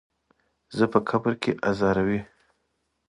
زه په قبر کې ازاروي.